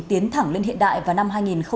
tiến thẳng lên hiện đại vào năm hai nghìn hai mươi